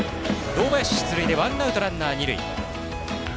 堂林出塁でワンアウト、ランナー、二塁。